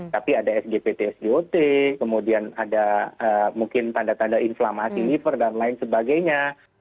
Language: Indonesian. tapi ada sgpt sgot kemudian ada mungkin tanda tanda inflamasi liver dan lain sebagainya